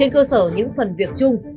trên cơ sở những phần việc chung